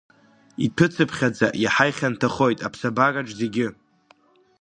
Иҭәыцыԥхьаӡа иаҳа ихьанҭахоит аԥсабараҿ зегьы.